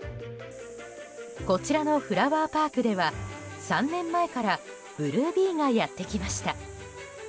こちらのフラワーパークでは３年前からブルービーがやってきました。